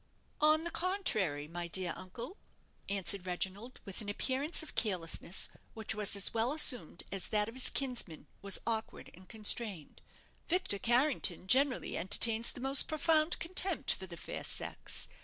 "On the contrary, my dear uncle," answered Reginald, with an appearance of carelessness which was as well assumed as that of his kinsman was awkward and constrained; "Victor Carrington generally entertains the most profound contempt for the fair sex.